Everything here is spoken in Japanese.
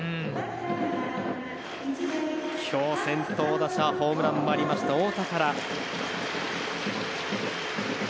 今日先頭打者ホームランもありました太田から。